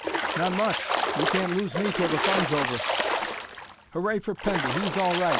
"Not much! You can't lose me till the fun's over!" "Hooray for Pendy! He's all right!"